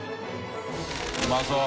うまそう！